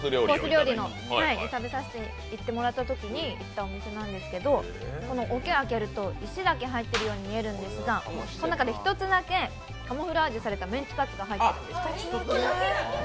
料理を食べに連れていっていただいてお店なんですけど、おけを開けると石だけ入ってるように見えるんですがその中で１つだけカモフラージュされたメンチカツが入ってるんです。